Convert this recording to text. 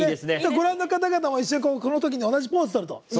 ご覧の方々も一緒に、このときに同じポーズをとると。